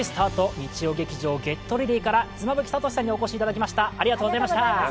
日曜劇場「ＧｅｔＲｅａｄｙ！」から妻夫木聡さんにお越しいただきました。